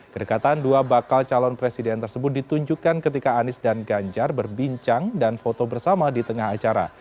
kedekatan dua bakal calon presiden tersebut ditunjukkan ketika anies dan ganjar berbincang dan foto bersama di tengah acara